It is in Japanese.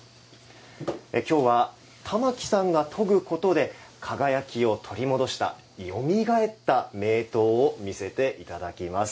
今日は、玉置さんが研ぐことで輝きを取り戻したよみがえった名刀を見せていただきます。